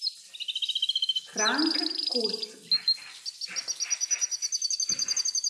Frank Kurtz